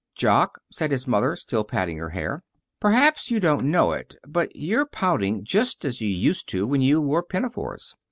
"Jock," said his mother, still patting her hair, "perhaps you don't know it, but you're pouting just as you used to when you wore pinafores.